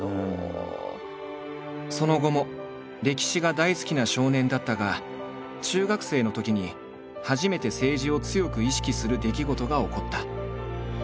その後も歴史が大好きな少年だったが中学生のときに初めて政治を強く意識する出来事が起こった。